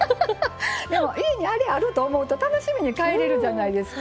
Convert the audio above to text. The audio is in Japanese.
でも家にあれあると思うと楽しみに帰れるじゃないですか。